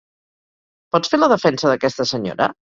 Pots fer la defensa d'aquesta senyora?